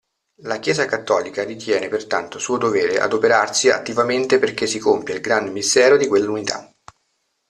La chiesa cattolica ritiene pertanto suo dovere adoperarsi attivamente perché si compia il gran mistero di quell'unità.